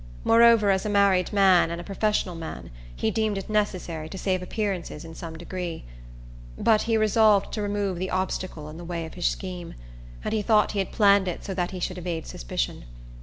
Moreover, as a married man, and a professional man, he deemed it necessary to save appearances in some degree. But he resolved to remove the obstacle in the way of his scheme; and he thought he had planned it so that he should evade suspicion.